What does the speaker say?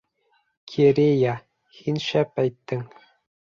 Керея, һин шәп әйттең.